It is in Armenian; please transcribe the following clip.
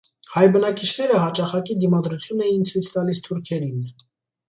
Հայ բնակիչները հաճախակի դիմադրություն էին ցույց տալիս թուրքերին։